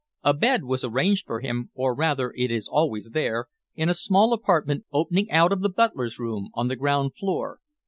A bed was arranged for him or rather it is always there in a small apartment opening out of the butler's room, on the ground floor.